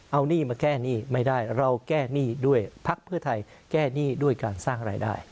เอาหนี้มาแก้หนี้ไม่ได้เราแก้หนี้ด้วยพักเพื่อไทยแก้หนี้ด้วยการสร้างรายได้